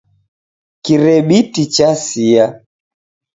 Kirebiti chasia.